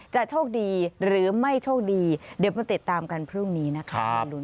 โชคดีหรือไม่โชคดีเดี๋ยวมาติดตามกันพรุ่งนี้นะคะ